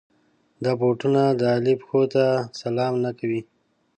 دا بوټونه د علي پښو ته سلام نه کوي.